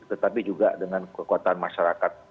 tetapi juga dengan kekuatan masyarakat